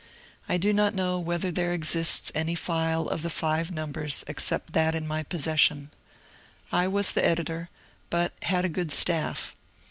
I do not know whether there exists any file of the five numbers except that in my possession. I was the editor, but had a good staff.